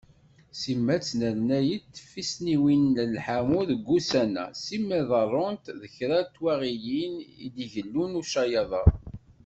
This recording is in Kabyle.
Simal ttnernayent tfesniwin n lḥamu deg wussan-a, simal ḍerrunt-d kra n twaɣiyin i d-igellu ucayaḍ-a.